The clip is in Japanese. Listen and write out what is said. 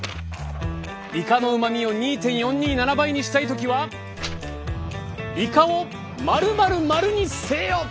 イカのうまみを２．４２７倍にしたい時はイカを○○○にせよ！